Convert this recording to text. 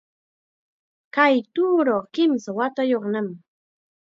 Kay tuuruqa kimsa watayuqnam